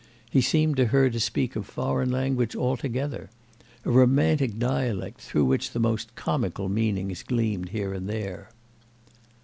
He seemed to her to speak a foreign language altogether—a romantic dialect through which the most comical meanings gleamed here and there.